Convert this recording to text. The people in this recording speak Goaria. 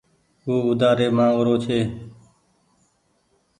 او اوڍآري مآنگ رو ڇي۔